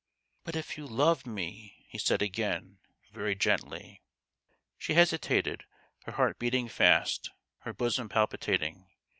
" But if you love me ?" he said again, very gently. She hesitated ; her heart beating fast, her bosom palpitating.